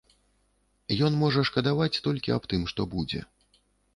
Ён можа шкадаваць толькі аб тым, што будзе.